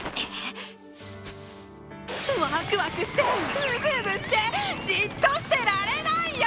ワクワクしてうずうずしてじっとしてられないよ！